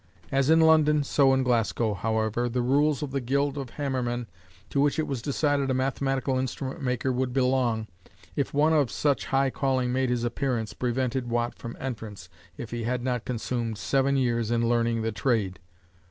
As in London so in Glasgow, however, the rules of the Guild of Hammermen, to which it was decided a mathematical instrument maker would belong, if one of such high calling made his appearance, prevented Watt from entrance if he had not consumed seven years in learning the trade.